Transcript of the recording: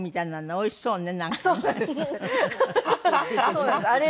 おいしそうね。